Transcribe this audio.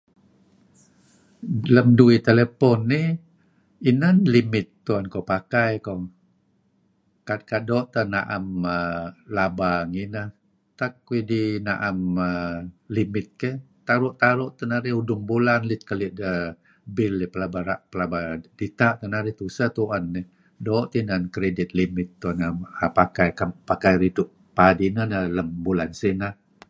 Lem duih telepon iih, inan limit tu'en kuh pakai ko'. ka'... doo' teh na'em err... laba ngineh. Tak idih na'em aaa... limit keyh, taru' taru' teh narih. Udung bulan, lit keli' aaa... bil idih pelaba aaa... pelaba dita' teh narih. Tuseh tu'en dih. Doo' teh inan credit limit tu'en narih pakai... ridtu'... paad ineh neh narih lem bulan sineh.